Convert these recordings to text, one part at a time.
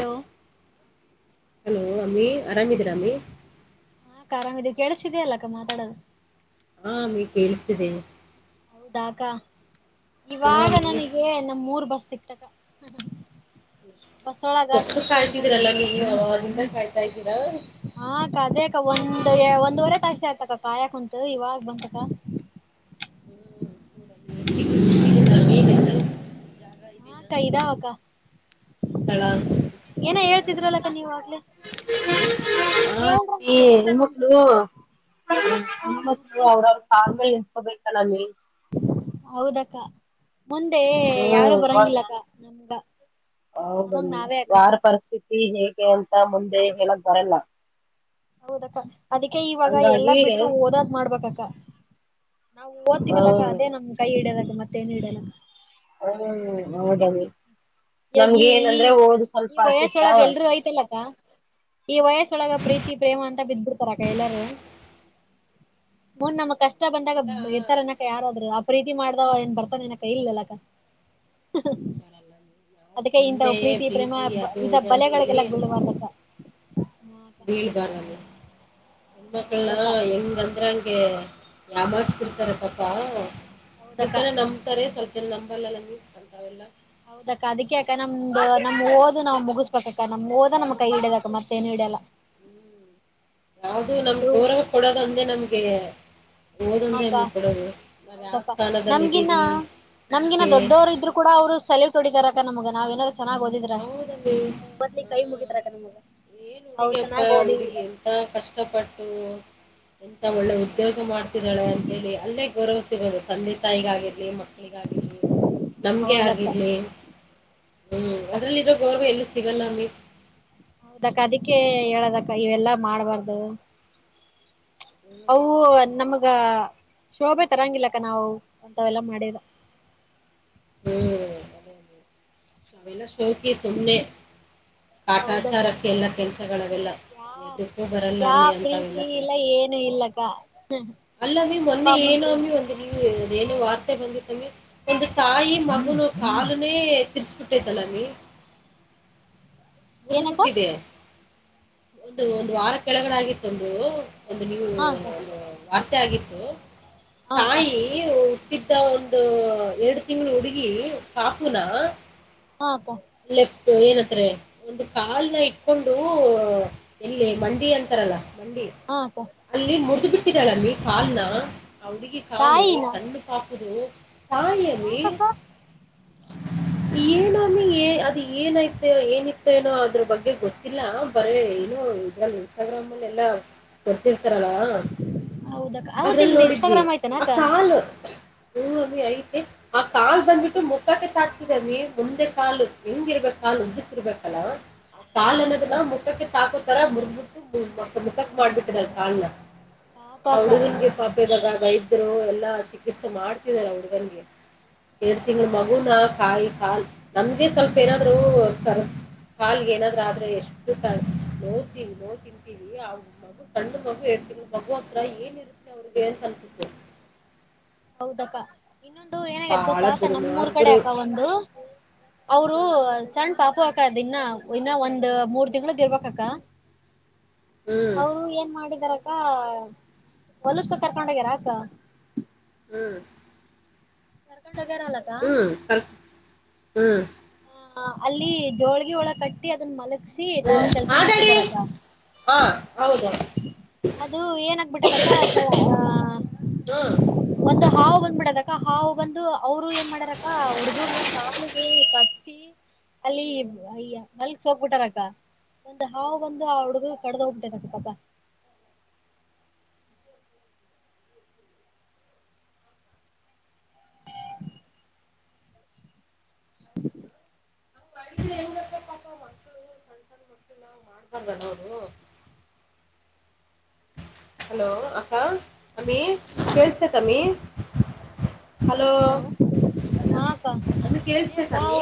Hello. Hello ಅಮ್ಮಿ ಆರಾಮಿದೀರಾಮ್ಮಿ. ಆರಾಮ ಇ ಕೆೇಳಸಿದ ಅಲ್ಲಕ್ಕ ಮಾತಾಡೋದು. ಹಾ ನೀ ಕೇಳಿಸ್ತಿದ್ದೀನಿ ಹೌದಾಕ ಹಾ ಇವಾಗ ಅಮ್ಮಿ ನನಗೆ ನಮ್ಮ್ ಮೂರ್ ಬಸ್ ಸಿಕ್ತಗ. [inaudible] ಸಪ್ಪ ಕಾಯ್ತಿದೀರಲ್ಲ ನೀವು ಅವ್ರಂದ ಕಾಯ್ತಾ ಇದ್ದೀರಾ. ಹಾಕ್ಕಾ ಅದೇ ಅಕ್ಕಾ ಒಂದ್ ಒಂದುವರೆ ತಾಸ ಆಯ್ತಕ್ಕ ಕಾಯ ಕುಂತು ಇವಾಗ ಬಂತಕ್ಕ ಚಿಕ [unintelligible] ‌ಹಾ ಅಕ್ಕಾ ಇದಾವಕ್ಕಾ ಸ್ಥಳ ಏನ ಸಿಕ್ಕಿದೀನಾ ಹೇಳ್ತಿದ್ರಲ್ಲಕ್ಕಾ ಆಗಲೇ ಹಾ ಈ ಗೊತ್ತಿಲ್ಲ ಹೆಣ್ಣ ನನ್ಗ ಮಕ್ಕಳು ಮೊದ್ಲು ಅವ್ರವ ಕಾಲ್ಮೆಲ್ ನಿಂತ್ಕೋಬೇಕಾ ಅಮಿ ಹೌದಕ್ಕಾ ಮುಂದೆ ಯಾರೂ ಹ್ಮ್ ಅವಾಗ ಬರಂಗಿಲ್ಲಾಅಕ್ಕಾ ನಮಗ್ ನಾವೇ ಅಕ್ಕಾ ತಿ ಹೇಗೆ ಅಂತ ಮುಂದೆ ಹೇಳಕ್ ಬರಲ್ಲಾ ಹೌದಕ್ಕಾ ಅದಕ್ಕೆ ಇವಾಗ ಎಲ್ಲಾ ಹಂಗಾಗಿ ಬಿಟ್ಟು ಹ್ಮ್ ಓದದ್ ಮಾಡಬೇಕ್ ಅಕ್ಕಾ ನಾವು ಓದತಿವಲ್ಲಕ್ಕಾ ಹ್ಮ್ ಅದೇ ನಮ್ ಕೈ ಹಿಡ್ಯೆಯೋದ ಮತ್ತ ಏನ್ ಹಿಡ್ಯಾದಕ್ಕಾ [unintelligible] ಈಗ ನಮ್ಗ ಈ ಈ ಏನಂದ್ರೆ ಓದು ಸ್ವಲ್ಪ ಈ ವಯಸ್ಸ ಆತಿತ್ತ ಒಳಗೆ ಎಲ್ರೂ ಐ್ತಲ್ಲ ಅಕ್ಕಾ ಈ ವಯಸ್ಸೊಳಗ ಪ್ರೀತಿ ಪ್ರೇಮ ಅಂತ ಬಿದ್ದ್ಬಿಡ್ತಾರಕ್ಕ ಎಲ್ಲಾರೂ ಮುಂದ ನಮಗ್ ಹೌದಮ್ಮ ಕಷ್ಟಾ ಬಂದಾಗ ಅವೆಲ್ಲಾ ಇರ್ತಾರ ಅನಕ್ಕ ಯಾರಾದ್ರು ಪ್ರೀತಿ ಮಾಡ್ದಾವ ಏನ್ ಬರ್ತಾನ ಏನ ಅಕ್ಕಾ ಇಲಲ್ಲಕ್ಕಾ ಬರಲ್ಲ ನಾವು ಅದಕ್ಕೆ ಇಂಥ ಸುಮ್ನೆ ಪ್ರೀತಿ ಪ್ರೇಮ ಅದು ಇದ ಇದು ಅಂತೇಳಿ ಬಲೆಗಳಿಗೆಲ್ಲಾ ಬೀಳಬಾರ್ದಕ್ಕಾ ಬೀಳ್ ಬಾರಲ್ಲ ಹೆಣ್ಮಕ್ಕಳನಾಲ ಹೌದಕ್ಕ ಹೆಂಗ ಅಂದ್ರೆಂಗೆ ಯಾಮಾರಿಸ ಬಿಡ್ತಾರ ಪಾಪಾ ಸ್ವಲ್ಪ ಹೌದಕ್ಕ ಜನಾ ನಂಬುತ್ತಾರೆ ಸ್ವಲ್ಪು ಏನು ನಂಬಲ್ಲಲ್ಲಾ [unintelligible] ಅಂಥೆವೆಲ್ಲಾ ಹೌದಾ ಅದಕೆ ಅಕ್ಕಾನಮ್ದ ನಮ್ ಓದು ನಾವು ಮುಗಸಕೊಬೇಕ ಅಕ್ಕಾ ನಮ್ ಓದ ನಮ್ಮ ಕೈ ಹಿಡದಾಕ್ಕಾ ಮತ್ತ ಎನು ಹಿಡ್ಯಲ್ಲಾ ಯಾವ್ದು ನಮ್ ಅದು ಗೌರವ ಕೊಡೋದ ಒಂದೆ ನಮ್ಗೆ ಓದೊಂದೇ ನಮ್ ಹಾಕ್ಕ ಗೆ ಕೊಡೋದು ನಾವು ಯಾವ ಹೌದಕ್ಕ ಸ್ಥಾನದಲ್ಲಿ ನಮ್ಗಿನ್ನ ಇದ್ದೀವಿ ನಮ್ಗಿನ್ನ ಹಂಗೆ ದೊಡ್ಡೋರು ಇದ್ರು ಕೂಡ ಅವ್ರು ಸಲೂಟ್ ಹೊಡಿದಾರಕ್ಕ ನಮ್ಗ ನಾವ್ ಎನಾರೂ ಚೆನ್ನಾಗ್ ಓದಿದ್ರ ಹೌದಮ್ಮಿ ಬದ್ಲಿಕ್ ಹಾ ಕೈ ಮುಗಿದ್ರಕ್ಕ ನಿಮಗೆ ಅವರು ಚೆನ್ನಾಗ್ ಓದಿ ಎಂತಾ ಕಷ್ಟಪಟ್ಟು ಎಂತಾ ಒಳ್ಳೆ ಹೌದಕ್ಕ ಉದ್ಯೋಗ ಮಾಡ್ತಿದ್ದಾಳೆ ಅಂತ ಹೇಳಿ ಅಲ್ಲೇ ಗೌರವ್ ಸಿಗೋದು ತಂದೆ ತಾಯಿಗ ಆಗಿರ್ಲಿ ಮಕ್ಕಳಿಗೆ ಆಗಿರ್ಲಿ ನಮ್ಗೆ ಹೌದಕ್ಕ ಆಗಿರ್ಲಿ ಹಾ ಹ್ಮ್ ಅಕ್ಕ ಅದ್ರಲ್ಲಿ ಇರೋ ಗೌರವ ಎಲ್ಲೂ ಸಿಗಲ್ಲಮ್ಮಿ ಹೌದಕ್ಕಾ ಅದಕ್ಕೆ ಹೇಳದಕ್ಕಾ ಇವೆಲ್ಲಾ ಮಾಡ್ಬಾರ್ದು ಅವು ಹ್ಮ್ ನಮಗ ಶೋಭೆ ತರಂಗಿಲ್ಲಕ್ಕಾ ನಾವು ಅಂತವೆಲ್ಲಾ ಮಾಡಿದರ ಹ್ಮ್ ಅದೇ ಅಮ್ಮಿ. ಅವೆಲ್ಲ ಶೌಕಿ ಸುಮ್ಮನೆ ಹೌದಕ್ಕ ಕಾಟಾಚಾರಕ್ಕೆ ಎಲ್ಲಾ ಕೆಲಸಗಳ ಅವೇಲ್ಲಾ ಯಾ ದುಡ್ಡು ಯಾ ಬರಲ್ಲಮ್ಮಿ ಪ್ರೀತಿ ಅಂತಾವೆಲ್ಲ ಇಲ್ಲ ಕೆಲ್ಸಗಳು ಏನು ಇಲ್ಲಕ್ಕ ಅಲ್ಲಾಮಿ ಅಪ್ಪ ಮೊನ್ನೆ ಅಮ್ಮನ್ ಪ್ರೀತಿ ಏನಿಮ್ಮೀ ನೀ ಅದೇನೋ ವಾರ್ತೆ ಬಂದಿತ್ತಮ್ಮಿ ಒಂದು ತಾಯಿ ಮಗನು ಕಾಲನೇ ತಿರ್ಸಬಿಟ್ಟ ತಲ್ಲಮ್ಮೀ ಮುರ್ದುು ಏನಕ್ಕ ಬಿಟ್ಟಿದೆ ಒಂದು ಒಂದು ವಾರ ಕೆಳಗಡೆ ಆಗಿತ್ತ ಒಂದು ಒಂದು ನ್ಯೂಸ್ ವು ಹಾ ಅಕ್ಕ ಒಂದು ವಾರ್ತೆ ಆಗಿತ್ತು ಹಾ ಅಕ್ಕ ತಾಯಿ ತಿದ್ದ ಒಂದು ಎರಡು ತಿಂಗಳು ಹುಡುಗಿ ಪಾಪು ನಾ ಹಾ ಅಕ್ಕಾ ಲೆಫ್ಟು ಏನ ಅಂತ ರೇ ಒಂದು ಕಾಲ್ನ ಇಟ್ಕೊಂಡು ಎಲ್ಲಿ ಮಂಡಿ ಅಂತಾರಲ್ಲಾ ಮಂಡಿ ಹಾ ಅಕ್ಕಾ ಅಲ್ಲಿ ಮುರಿದು ಬಿಟ್ಟಿದಾಳಮ್ಮಿ ಕಾಲ್ನ ಆ ಹುಡುಗಿ ಕಾಲು ತಾಯಿನ ಸಣ್ಣು ಪಾಪುದು ಅಯ್ಯೋ ತಾಯಿ ರೀ ಯಾಕಕ್ಕ ಏನೊಮಿ ಏನ್ ಅದ ಏನಐತೆ ಏನಿತ್ತ ಅನೋ ಅದ್ರ ಬಗ್ಗೆ ಗೊತ್ತಿಲ್ಲಾ ಬರೇ ಏನೋ ಇದೆಲ್ಲಾ ಸಗ್ರಾಮ ಎಲಲ್ಲ. ಬರತಿರ್ತಾರಲ್ಲ ಹೌದಕ್ಕ ಹೌದ್ ಅದ್ರಲ್ಲಿ ನಿಮ್ದು ನೋಡಿದ್ವಿ ಇನ್ಸ್ಟಾಗ್ರಾಮ್ ಆ ಆಯ್ತಾನಕ್ಕ ಕಾಲ. ಹ ರಿ ಐತಿ ಆ ಕಾಲು ಬಂದ್ಬಿಟ್ಟು ಮುಖಕ್ಕೆ ಚಾಚಿಬಿಟ್ಟರಿ ಮುಂದೆ ಕಾಲು. ಹೆಂಗಿರ್ಬೇಕ [unintelligible] ಆ ಕಾಲ ಹಾ ಅಕ್ಕ ಅನ್ನೋದನ್ನ ಮುಟ್ಟಕ್ಕೆ ತಾಕ. ತರ ಮುರದಬಿಟ್ಟು ಮ ಮುಖಕ್ ಅಯ್ಯೋ ಮಾಡ್ಬಿಟ್ಟಿದಳ ಕಾಲನಾ ಪಾಪ ಆ ಅಕ್ಕ ಹುಡಗಂಗೆ ಪಾ. ಇವಾಗ ವೈದ್ಯರು ಎಲ್ಲಾ ಚಿಕಿತ್ಸೆ ಮಾಡ್ತಿದಾರ ಹುಡುಗನ್ಗೆ. ಎರಡ್ ತಿಂಗಳ ಅಯ್ಯೋ ಮಗುನ ಕಾಲೀ ಕಾಲ್ ನಮ್ಗೆ ಸ್ವಲ್ಪ. ಏನಾದ್ರು ಸ ಕಾಲ್ಗೆ ಏನಾದ್ರು ಆದ್ರೆ ಎಷ್ಟು [unintelligible] ಇಲ್ಲಿ ಮಗು ಸಣ್ಣ ಮಗು ಎರಡ್ ತಿಂಗಳ ಮಗುತ್ರ ಏನರುತ್ತೆ ಅವ್ರಿಗೆ ಅಂತ ಅನ್ಸುತ್ತೆ. ಹೌದಕ್ಕ. ಇನ್ನೊಂದು ಏನಾಗ್ಯತ್ ಬಹಳ ಗೊತ್ತಾ ಅಕ್ಕ ನಮ್ಮರೂ ಕಡೆ ದುರ್ಮಾರ್ಗರು ಅಕ್ಕ ಒಂದು ಅವರು. ಹ್ಮ್ ಸಣ್ಣ ಪಾಪು ಅಕ್ಕ ಇನ್ನ ಇನ್ನ ಒಂದ್ ಮೂರ್ ತಿಂಗಳಗದ ಇರ್ಬೇಕಕ್ಕ. ಹ್ಮ್ ಅವರು ಏನ್ ಮಾಡಿದಾರಕ್ಕ ಹೊಲಕ್ಕ ಕರ್ಕೊಂಡೋಗ್ಯಾರ ಅಕ್ಕ. ಹ್ಮ್ ಕರ್ಕೊಂಡೋಗ್ಯಾರಲ್ಲಕ್ಕ ಹ್ಮ್ ಕರ್ ಹ್ಮ್. ಹ ಅಲ್ಲಿ ಜೋಳಗೆ ಒಳಗ ಕಟ್ಟಿ ಅದನ್ನ ಮಲಗಸಿ. ತಿ ತಾವು ಕೆಲ್ಸ ಹಾ ಡ್ಯಾಡಿ ಮಾಡ್ತಿದ್ದಾರಕ್ಕ. ಹಾ ಹೌದು ಅದು ಏನಾಗಿಬಿಟ್ಟದಕ್ಕ ಸ. ಹ್ಮ್ ಒಂದು ಹಾವು ಬಂದಬಿಟ್ಟದಕ್ಕ ಹಾವು ಬಂದು ಅವ್ರು ಏನ್ ಮಾಡಾರಕ್ಕ ಹುಡ್ಗ ಕಾಲಿಗಿ ಕ ತಿ ಅಲ್ಲಿ ಅಯ ಮಲ್ಕಸಿ ಹೋಗ್ಬಿಟಾರಕ್ಕ. ಒಂದು ಹಾವು ಬಂದು ಆ ಹುಡುಗಗ ಕಡ್ದ ಹೋಗ್ಬಿಟ್ಟದ ಅಕ್ಕಾ. [inaudible] ಅಡಿಗೆ ಹೆಂಗಪ್ಪ ಪಾಪ ಅವರ ಬರಬಹುದು. ಹಲೋ ಅಕ್ಕ ಅಮ್ಮಿ ಕೆಳಸ್ತತಿ ಅಮ್ಮಿ. ಹಲೋ ಹಾ ಅಕ್ಕ ಅದು ಕೇಳಸಬೇಕು ಅಮ್ಮಿ.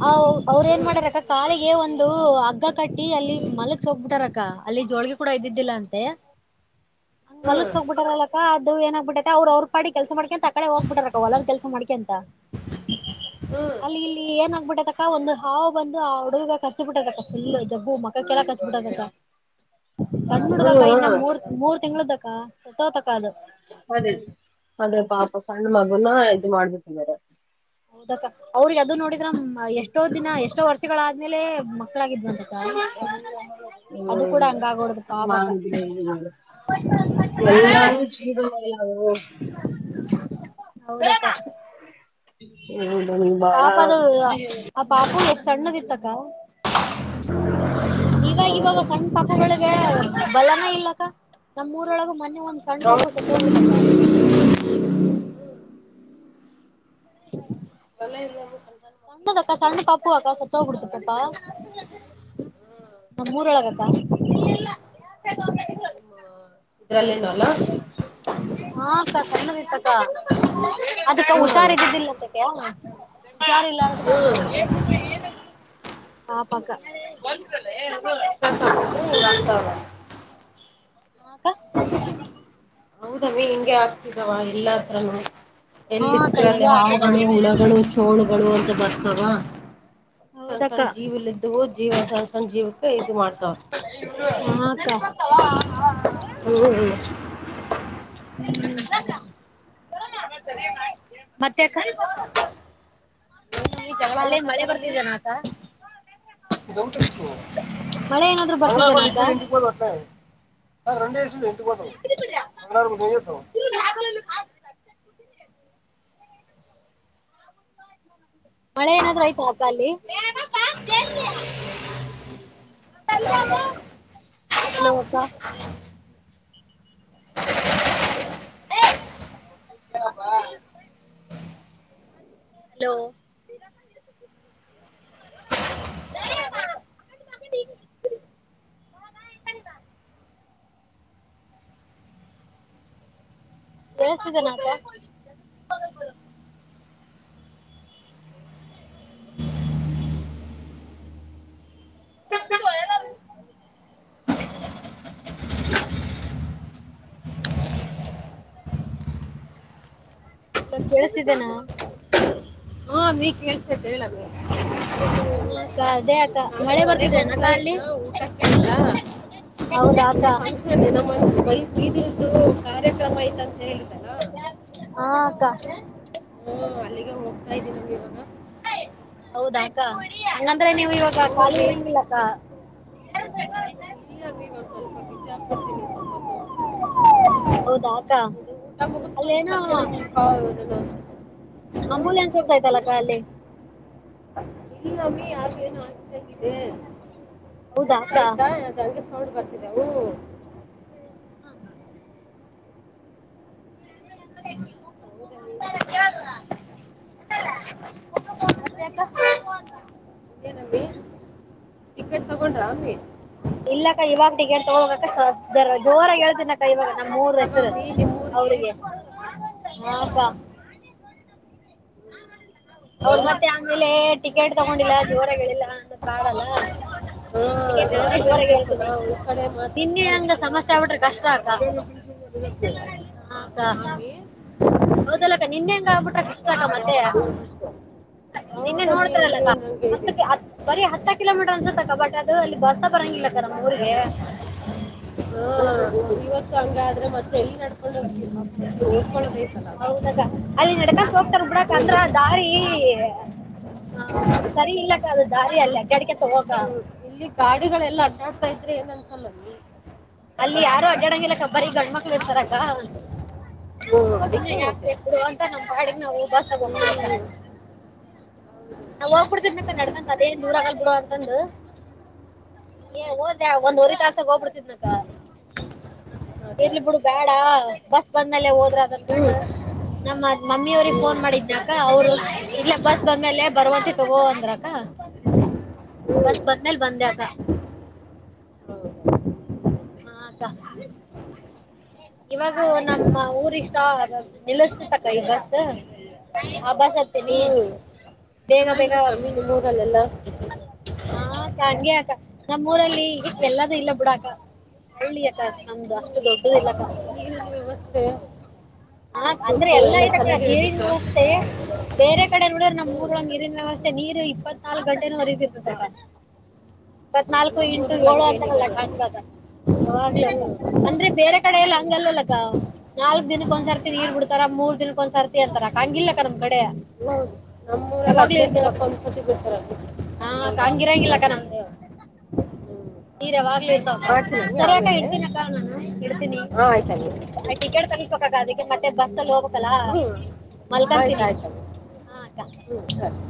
ಹ ಅವ್ರ ಏನ್ ಮಾಡಾರಕ್ಕ ತಾಳಿಗ. ಗೆ ಒಂದು ಹಗ್ಗ ಕಟ್ಟಿ ಅಲ್ಲಿ ಮಲಗಸ ಹೊಗಬಿಟಾರಕ್ಕ ಅಲ್ಲಿ ಜೋಳಗಿ ಕೂಡ ಇದ್ದಿದ್ದಿಲ್ಲ ಅಂತೆ. ಹಂಗ್ ಹ್ಮ್ [unintelligible] ಹೋಗ್ಬಿಟ್ಟಾರ ಅಲಕ್ಕ ಅದು ಏನಾಗ ಬಿಟ್ಟೈತೆ ಅವ್ರ ಅವ್ರ ಪಾಡಿಗಿ ಕೆಲ್ಸ ಮಾಡ್ಕಂತ. ಕಡೆ ಹೋಗ್ಬಿಟಾರಕ್ಕ ಹೊಲ ಕೆಲ್ಸ ಮಾಡ್ಕೆ ಅಂತ. ಹ್ಮ್ ಅಲ್ಲಿ ಇಲ್ಲಿ ಏನ್ ಆಗ್ಬಿಟ್ಟೈತಕ್ಕ ಒಂದು ಹಾವು ಬಂದು ಆ ಹುಡುಗ ಕಚ್ಚಿ ಬಿಟ್ಟೈತಕ್ಕ ಫುಲ್ ಜಬ್ಬು ಮ ಕ್ಕೆ ಕೇಳಾಕತೀಬಿಟ್ಟದ ಅಕ್ಕ. ಸಣ್ಣ ಹ್ಮ್ ಹುಡ್ಗಕ್ಕ ಇನ್ನ ಹ್ಮ್ ಮೂರ್ ಮೂರ್ ತಿಂಗಳ್ದಕ್ಕ ಸತಹೋತಕ್ಕ ಅದು. ಅದೇ ಅದೇ ಪಾಪ ಸಣ್ಣ ಮಗುನ ಇದ ಮಾಡ್ಬಿಟ್ಟಿದ್ದಾರೆ. ಹೌದಕ್ಕ ಅವ್ರಿಗ ಅದು ನೋಡಿದ್ರ ಎಷ್ಟೋ ದಿನ ಎಷ್ಟೋ ವರ್ಷ. ವರ್ಷಗಳಾದ್ಮೇಲೆ ಮಕ್ಳಾಗಿದ್ವಂತ ಅಕ್ಕ. ಅದು ಹ್ಮ್ ಕೂಡ ಹಂಗ ಆಗೋಡದು ಪಾಪಕ್ಕ. ಎಲ್ಲಾರು [unintelligible] ಹೌದಕ್ಕ. ಹ್ಮ [unintelligible] ಬಾಳ ಪಾಪ ಅದು ಆ ಪಾಪು ಎಷ್ಟ್ ಸಣ್ಣದ ಇತ್ತಕ್ಕ ಇವಾಗ ಇವಾಗ ಸಣ್ಣ ಪಾಪುಗಳೆ. ಬಲನೆ ಇಲ್ಲಕ್ಕ ನಮ್ಮರೊಳಗ ಮೊನ್ನೇ ಒಂದ್ ಸಣ್ಣ ಪಾಪು ಸತ್ತು ಹೋಗ್ಬಿಡ್ತಕ್ಕ. [inaudible] ಚೋಲೆ ಇಲ್ಲೆವೆ ಸಂಸಾರ. ಸಣ್ಣದಕ್ಕಾ ಸಣ್ಣ ಪಾಪವಕ್ಕ ಸತ್ತಬಿಡ್ತದಕ್ಕ. ಹ್ಮ್ ನಮ್ಮ ಹೌದ ಊರವಳಗ ಅಕ್ಕಾ. [unintelligible] [unintelligible] ಹಾ ಅಕ್ಕ ಸಣ್ಣದ ಇತ್ತಕ್ ಕ ಅದಕ್ಕೆ ಹ್ಮ್ ಹುಷಾರ್ದಿದ್ದಿಲ್ಲ ಅಂತಕೆ. ಹುಷಾರಿಲ್ಲ ಅನ್ನದಿಕ್ಕೆ ಹ್ಮ್ ಹಂಗಾಗ್ಬಿಟ್ಟೖತೆ. ಆ ಪಕ್ಕ [inaudible] ಂತರ ಅಕ್ಕ. ಹ [inaudible] ಹೌದಮ್ಮಿ ಹಿಂಗೆ ಆಡ್ತಿದ್ದವ ಎಲ್ಲಾ ಹತ್ರನು. ಹಾ ಎಲ್ಲಿ ಅಕ್ಕ ಸಿಕ್ಕರೆ ಅಲ್ಲಿ ಹಿಂಗೆ ಆಗ್ತದ ಹಾವುಗಳು ನಾವು ಹುಳಗಳು ಚೋಳುಗಳು ಅಂತ ಬರ್ತಾವ. ಸಣ್ಣ ಹೌದಕ್ಕ ಸಣ್ಣ ಜೀವಲ್ಲಿದ್ದವೂ ಜೀವ ಸಣ್ಣ ಸಣ್ಣ ಜೀವಕ್ಕೆ ಇದು ಮಾಡ್ತಾವ. ಹ ಅಕ್ಕ. ಹ್ಮ ಮತ್ತೆಕ್ಕ. ಏನಮ್ಮಿ ಜಗಳ ಅಲ್ಲೇನ್ ಮಳೆ ಆಡಕತ್ತಾರಲ್ಲಿ ಬರ್ತಿದೆನಾ ಅಕ. ಮಳೆ ಏನಾದ್ರು ಬರ್ತಿದ್ದೇನ ಅಕ್ಕ [unintelligible] [unintelligible] ಮಳೆ ಏನಾದ್ರು ಐಯ್ತಾ ಆಕ್ಕಾಅಲ್ಲಿ. [unintelligible] ಹಲೋ ಅಕ್ಕ. [unintelligible] ಹಲೋ ಕೇಳಿಸಿದ್ದನಾ ಅಕ. [unintelligible] ಹಲೋ ಕೇಳಸ್ತಿದ್ದೇನ ಹಾ ನೀ ಕೇಳ್ಸ್ತೖತ್ ಹೇಳಮ್ಮೀ. ಹುಂ ಅಕ್ಕ ಅದೇ ಅಕ್ಕ ಮಳೆ ಬರ್ತಿದೆ ಏನಕ ಹೋಗ್ತಾ ಅಲ್ಲಿ? ಇದ್ನ ಊಟಕ್ಕೆ ಅಂತ ಹೌದಾಕ. [unintelligible] ಕಾರ್ಯಕ್ರಮ ಐತಂತ್ ಹೇಳಿ [unintelligible] ಹಾ ಅಕ್ಕಾ. ಹುಂ ಅಲ್ಲಿಗೆ ಹೋಗ್ತಾ ಇದ್ದೀನಾನಿವಾಗ. ಹೌದಾ ಅಕ್ಕ ಹಂಗಂದ್ರೆ ನೀವು ಇವಾಗ ಖಾಲಿ ಹೋಗಿ ಇರಂಗಿಲ್ಲ. ಕಾ [unintelligible] ಇಲ್ಲಮಿ ಒಂದ್ ಸ್ವಲ್ಪ ಬಿಜಿಯಾಗ್ಬಿಡ್ತೀನಿ ಸ್ವಲ್ಪತ್ತು. ಹೌದಾ ಅಕ್ಕ ಅಲ್ಲೇನೋ ಹೌದು [unintelligible] ಆಂಬುಲೆನ್ಸ್ ಹೋಗ್ತಾಯ್ತಲ್ಲಕ ಅಲ್ಲಿ. ಇಲ್ಲಮ್ಮಿ ಯಾರ್ಗೂ ಏನು ಆಗಿ ಗಿದೆ ಹೌದಾ ಅಕ್ಕ ಹೋಗ್ತಾ ಇತ್ತಾ ಅದು ಹಂಗೆ ಸೌಂಡ್ ಬರ್ತಿದೆ ಹೂಂ. [inaudible] ಹೌದಮ್ಮಿ. [inaudible] ಏನಮ್ಮಿ. ತೊಗೊಂಡಾಮ್ಮಿ? ಇಲ್ಲಕ್ಕ ಇವಾಗ ಟಿಕೆಟ್ ತೊಗೊಹೋಗಕ್ಕೆ ಸ ಜರ ಜೋರಾಗ್ ಹೇಳ್ತಿನಕ್ಕ ಇವಾಗ. ನೋಡಿ ಮೂರ್ ಹೆಸರು ತಗೊಮ್ಮಿ ನಿಮ್ಮೂರಿಗೆ ಅವ್ರಿಗೆ ಹಾ ಕ್ಕ. ಅವ್ರ ಹ್ಮ್ ಮತ್ತೆ ಆಮೇಲೆ ಟಿಕೆಟ್ ತಗೊಂಡಿಲ್ಲ ಜೋರಗೇಳಿಲ್ಲ ಅಂದ ಬ್ಯಾಡಲ್ಲ. ಹಾ ಯಾಗ ಹೇಳ್ಬೇಕು ನಾವು ಈ ಕಡೆ ನಿನ್ನೆ ಮಾತಾಡ್ತಾ ಹಂಗ ಸಮಸ್ಯೆ ಆಗ್ಬಿಟ್ರೆ ಇಲ್ಲ ಕಷ್ಟ [inaudible] ಅಕ್ಕ ಹಾ ಅಕ್ಕ ಹೌದಲ್ಲಕ್ಕ ನಿಂದೆ ಹೆಂಗ ಆಗ್ಬಿಟ್ರ ಕಷ್ಟತಕ ಮತ್ತೆ ನಿನ್ನೆ ಹೌದಾ ಬಿ ನೋಡ್ತಾರಲ್ಲ ಅಕ್ಕ ಇನ್ನೇನ್ ಹಂಗೆ ಹತ್ತ ಇದೆ ಹತ್ತಕ್ಕೆ ಬರೀ ಹತ್ತ ಕಿಲೋಮೀಟರ್ ಅನ್ಸತ್ತಕ್ಕಕ ಬಟ್ ಅದು ಅಲ್ಲಿ ಬಸ್ಸ ಬರಂಗಿಲ್ಲ ಅಕ್ಕ ನಮ್ಮ ಊರಿಗೆ ಹಾ ಇವತ್ತು ಹಂಗೆ ಆಯ್ತ್. ಓದ್ಕೊಳ್ಳೋದೈತಲ್ಲ ಹ್ಮ್. ಹೌದ ಅಕ್ಕ ಅಲ್ಲಿ ನಡ್ಕತ್ ಹೋಗ್ತಾರೆ ಬುಡಕ್ಕ ಅಂದ್ರ ಅರಿ ಹ ಸರಿ ಇಲ್ಲಕ್ಕ ಅದು ದಾರಿ ಅಲ್ಲ ಅಡ್ಡಾಡ್ಕೋತ ಹೋಗಾಕ ಇಲ್ಲಿ ಗಾಡಿಗಳೆಲ್ಲ ಅಡ್ಡಾಡ್ತಾ ಇದ್ರೆ ಏನ್ ಅನ್ಸಲ್ಲ. ಅಲ್ಲಿ ಯಾರು ಅಡ್ಯಾಡಂಗಿಲ್ಲ ಅಕ್ಕಾ ಬರಿ ಗಂಡ ಮಕ್ಕಳ ಇರ್ತಾರಕ್ಕ. ಹ್ಮ್ ಸುಮ ಅದಕ್ಕೆ ಯಾಕ್ ಹೋದೆ ಬೇಕು ಅಂತ ಕೊಡು ಅಂತ ನಮ್ಮ್ ಪಾಡಿಗೆ ನಾವು ಬಸ್ಸಾಗ್ ಹೋಗಬೇಕು ಹ್ಮ್ ಅಕ್ಕ. ಹ್ಮ್ ನಾವು ಹೋಗ ಬಿಡ್ತೀನ ಅಕ್ಕ ನಡಕಂತ ಅದೇ ದೂರ ಆಗಲ್ ಬಿಡು ಅಂತಂದಂದು. ಏ ಓದ್ಯಾ ಒಂದ್ವರಿ ದ್ಲಾಸಗ ಹೋಗ್ಬಿಡ್ತಿದನಕ್ಕ. ಅದೇ ಇರ್ಲಿ ಅದೇ ಬಿಡು ಬೇಡ ಬಸ್ ಬಂದ ಮಲೆ ಹೋದ್ರ ಅದ ಹ್ಮ್ ಅನ್ಕಂಡು ನಮ್ಮ ಮಮ್ಮಿ ಅವ್ರಿಗೆ ಫೋನ್ ಹ್ಮ್ ಮಾಡಿದ್ನಕ್ಕ ಅವ್ರು ಇಲ್ಲ ಬಸ್ ಬಂದ್ಮೇಲೆ ಬರುವಂತೆ ತಗೋ ಅಂದ್ರಕ್ಕ. ಹ್ಮ್ ಬಸ್ ಬಂದ್ಮೇಲ ಬಂದೆ ಅಕ್ಕಾ. ಹೌದು ಹ್ಮ್ ಹಾ ಅಕ್ಕ. ಇವಾಗೂ ನಮ್ಮ ಊರ ಇಷ್ಟ ನಿಲ್ಲಸತಕ್ಕ ಈ ಬಸ್ ವಾಪಾಸ್ ಹತ್ತೇನಿ. ಬೇಗ ಬೇಗ ಚೆನ್ನಾಗಿರುತ್ತಮ್ಮಿ ನಿಮ್ಮೂರಲ್ಲೆಲ್ಲ ಮಾವ ಹಂಗೆ ಅಕ್ಕ ನಮ್ಮೂ ಊರಲ್ಲಿ ಎಲ್ಲದೂ ಇಲ್ಲ ಬಿಡ ಅಕ್ಕ. ಹಳ್ಳಿ ಅಕ್ಕ ನಮ್ದು ಅಷ್ಟು ಹ್ಮ್ ದೊಡ್ಡದಲ್ಲಕ್ಕ. ನೀರಿನ ವ್ಯವಸ್ಥೆ ಹ ಅಂದ್ರೆ ವಿದ್ಯುತ್ ಎಲ್ಲಾ ಎಲ್ಲ ಆಯ್ತಿ ಅಕ್ಕ ಚೆನ್ನಾಗೇ ನೀರಿನ ಇರುತ್ತಾ ವ್ಯವಸ್ಥೆ ಬೇರೆ ಕಡೆ ನೋಡಿದ್ರ ನಮ್ ಊರ ಹ್ಮ್ ಒಳಗ ನೀರಿನ ವ್ಯವಸ್ಥೆ ನೀರು ಇಪ್ಪತ್ನಾಲ್ಕು ಗಂಟೆನೂ ಹರಿದತಿರ್ತದೇ ಅಕ್ಕಾ. ಇಪತ್ನಾಲ್ಕು ಇಂಟು ನಮ್ಮೂರಲ್ಲಿ ಏಳು ಹಂಗೇನಿಲ್ಲ ಅಂತದಲ್ಲ ನೋಡಮ್ಮ ಹಾಂಗ ಆದ. ಹ್ಞೂ ಆಲ ಅಂದ್ರೆ ಬೇರೆ ಕಡ ಎಲ್ಲ ಹಂಗಲ್ಲ ಅಕ್ಕ. ನಾಲ್ಕ್ ದಿನಕ್ಕ ಒಂದ್ ಸರ್ತಿ ನೀರ್ ಬಿಡ್ತಾರ ಮೂರ್ ದಿನಕ್ಕ ಒಂದ್ ಸರ್ತಿ ಅಂತಾರ ಹಂಗಿಲ್ಲಕ್ಕ ನಮ್ ಕಡೆ ಹೌದು ನಮ್ಮೂರಲ್ಲಿ ಯಾವಾಗ್ಲು ಹದಿನೈದು ಇರ್ತವಕ್ಕ ದಿನಕ್ಕೆ ಒಂದ್ಸತಿ ಬಿಡ್ತಾರಲ್ಲ ಹ ಅಕ್ಕಾ ಹೌದಮ್ಮ ಹಂಗಿರಲ್ಲ ಅಕ್ಕ ಸರಿ ಅಮ್ಮ ನಮ್ದು ನೀರ ಯಾವಾಗ್ಲು ಮಾಡ್ತಿನ. ಸರಿ ಅಕ್ಕ ಇಡ್ತೀನ ಅಕ್ಕ ನಾನು ಇಡ್ತೀನಿ. ಹಾಂ ಆಯ್ತಮ್ಮ ಟಿಕೆಟ್ ತೆಗಸಬೇಕ್ ಅಕ್ಕ ಅದಕ್ಕ ಮತ್ತೆ ಬಸ್ ಅಲ್ಲಿ ಹೋಗ್ಬೇಕಲ್ಲಾ ಆಯ್ತ ಆಯ್ತ ಅಕ್ಕ ಹ್ಮ್ ಸರಿ.